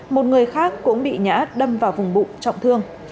một người khác cũng bị ngã đâm vào vùng bụng trọng thương